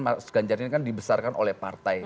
mas ganjar ini kan dibesarkan oleh partai